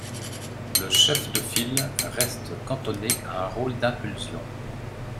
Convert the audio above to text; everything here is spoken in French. Le chef de file reste cantonné à un rôle d’impulsion.